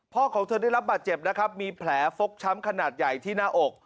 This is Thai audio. ของเธอได้รับบาดเจ็บนะครับมีแผลฟกช้ำขนาดใหญ่ที่หน้าอก